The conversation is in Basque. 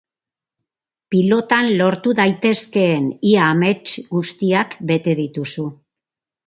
Pilotan lortu daitezkeen ia amets guztiak bete dituzu.